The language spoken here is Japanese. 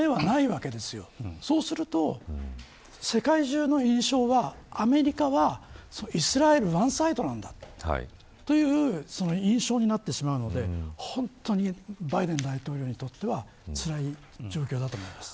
そうすると世界中の印象はアメリカはイスラエルワンサイドなんだという印象になってしまうので本当にバイデン大統領にとってはつらい状況だと思います。